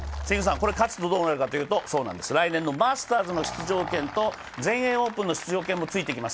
これ、勝つとどうなるかというと来年のマスターズの出場権と全英オープンの出場権もついてきます。